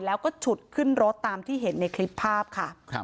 แล้วก็ฉุดขึ้นรถตามที่เห็นในคลิปภาพค่ะ